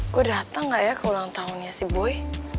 gue dateng gak ya ke ulang tahunnya si boy